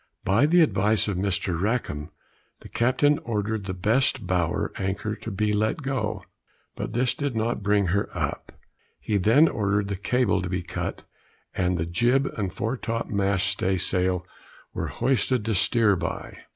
By the advice of Mr. Rackum, the captain ordered the best bower anchor to be let go, but this did not bring her up. He then ordered the cable to be cut; and the jib and fore top mast stay sail were hoisted to steer by.